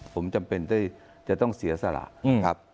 ผมจำเป็นจะต้องเสียสละ